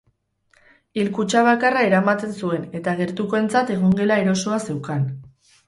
Hilkutxa bakarra eramaten zuen eta gertukoentzat egongela erosoa zeukan.